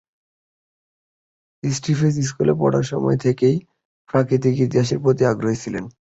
Stephen's স্কুলে পড়ার সময় থেকেই প্রাকৃতিক ইতিহাসের প্রতি আগ্রহী ছিলেন।